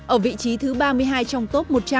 ở vị trí thứ ba mươi hai trong top một trăm linh